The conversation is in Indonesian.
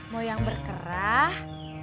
mau yang berkerah